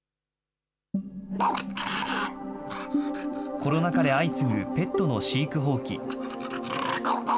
コロナ禍で相次ぐペットの飼育放棄。